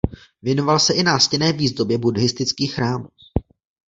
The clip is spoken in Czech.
Věnoval se i nástěnné výzdobě buddhistických chrámů.